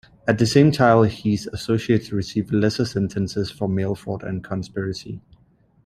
At the same trial, his associates received lesser sentences for mail fraud and conspiracy.